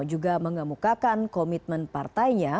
juga mengemukakan komitmen partainya